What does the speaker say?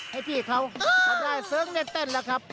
ให้พี่เขาและก็ได้เสริงเรตเต้นนะครับ